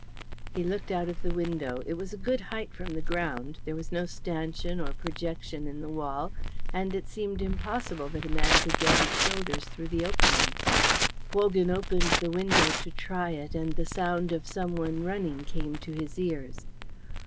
He looked out of the window. It was a good height from the ground; there was no stanchion or projection in the wall, and it seemed impossible that a man could get his shoulders through the opening. Wogan opened the window to try it, and the sound of someone running came to his ears.